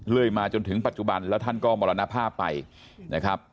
มาจนถึงปัจจุบันแล้วท่านก็มรณภาพไปนะครับ